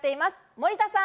森田さん。